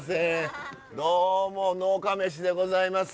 どうも「農家メシ！」でございます。